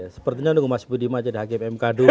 sepertinya nunggu mas budiman jadi hakim mk dulu